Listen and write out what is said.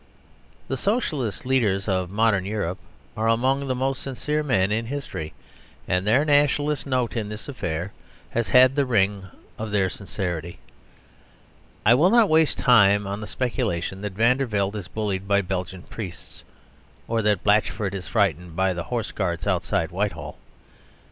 The Socialist leaders of modern Europe are among the most sincere men in history; and their Nationalist note in this affair has had the ring of their sincerity. I will not waste time on the speculation that Vandervelde is bullied by Belgian priests; or that Blatchford is frightened of the horse guards outside Whitehall.